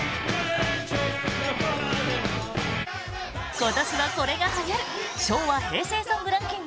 今年はこれがはやる昭和・平成ソングランキング！